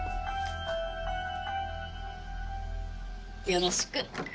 よろしく。